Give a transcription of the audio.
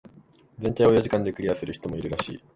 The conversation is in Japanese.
全体を四時間でクリアする人もいるらしい。